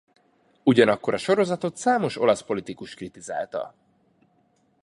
Ugyanakkor a sorozatot számos olasz politikus kritizálta.